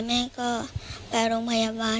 แม่ก็ไปโรงพยาบาลนะครับ